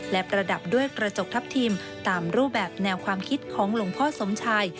และประดับด้วยกระจกทัพทิมตามรูปแบบแนวความคิดของหลวงพ่อสมชัย